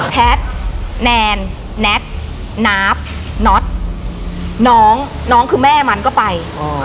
แพทย์แนนแน็ตนาบน็อตน้องน้องคือแม่มันก็ไป